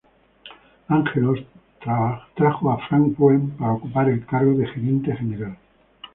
Angelos trajo a Frank Wren para ocupar el cargo de gerente general.